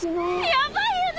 ヤバいよね。